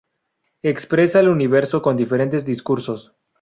Expresa el universo con diferentes discursos.